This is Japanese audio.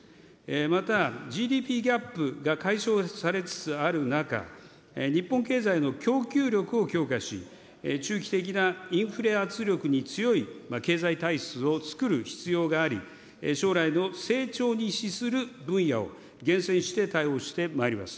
またＧＤＰギャップが解消されつつある中、日本経済の供給力を強化し、中期的なインフレ圧力に強い経済体質を作る必要があり、将来の成長に資する分野を、厳選して対応してまいります。